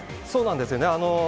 そうなんですよね。